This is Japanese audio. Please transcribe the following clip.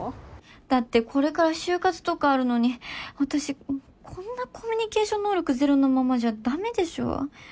だってこれから就活とかあるのに私こんなコミュニケーション能力ゼロのままじゃ駄目でしょ。